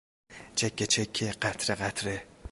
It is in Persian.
چکه چکه، قطره قطره